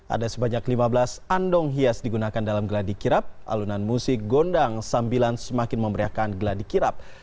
ada sebanyak lima belas andong hias digunakan dalam geladi kirap alunan musik gondang sambilan semakin memberiakan geladi kirap